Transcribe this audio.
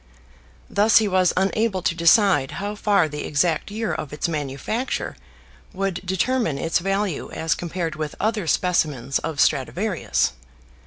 Thus he was unable to decide how far the exact year of its manufacture would determine its value as compared with other specimens of Stradivarius.